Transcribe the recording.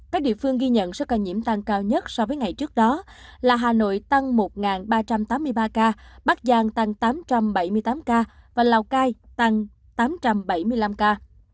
các địa phương ghi nhận số ca nhiễm tăng cao nhất so với ngày trước đó là hà nội tăng một ba trăm tám mươi ba ca bắc giang tăng tám trăm bảy mươi tám ca và lào cai tăng tám trăm bảy mươi năm ca